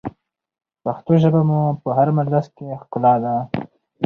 پښتو ژبه مو په هر مجلس کې ښکلا ده.